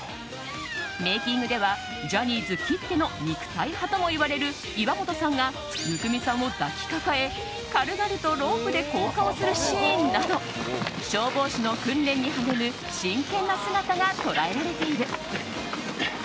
メイキングではジャニーズきっての肉体派ともいわれる岩本さんが生見さんを抱きかかえ軽々とロープで降下をするシーンなど消防士の訓練に励む真剣な姿が捉えられている。